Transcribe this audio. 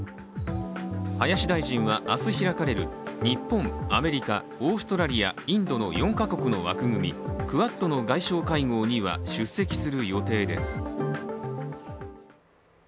林大臣は明日開かれる、日本、アメリカオーストラリア、インドの４か国の枠組み、クアッドの外相会合には出席する予定です。